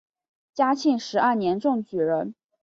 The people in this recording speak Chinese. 嘉庆十二年中举人。